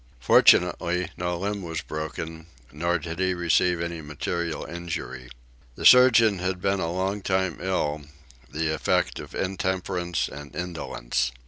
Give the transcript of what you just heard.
Fortunately no limb was broken nor did he receive any material injury. The surgeon had been a long time ill, the effect of intemperance and indolence.